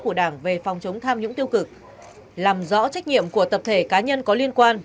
của đảng về phòng chống tham nhũng tiêu cực làm rõ trách nhiệm của tập thể cá nhân có liên quan